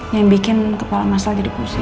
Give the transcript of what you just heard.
yang bikin kepala mas al jadi pusing